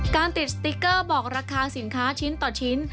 ติดสติ๊กเกอร์บอกราคาสินค้าชิ้นต่อชิ้น